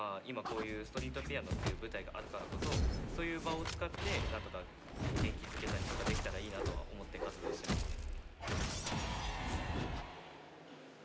今こういうストリートピアノっていう舞台があるからこそそういう場を使ってなんとか元気づけたりとかできたらいいなとは思って活動してます。